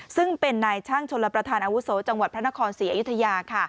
ซึ่งเป็นนายช่างชนลประธานอาวุโสจังหวัดพระนครศรีอยุธยา